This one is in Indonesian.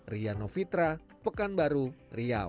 riano fitra pekanbaru riau